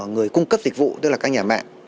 người cung cấp dịch vụ tức là các nhà mạng